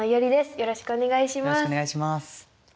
よろしくお願いします。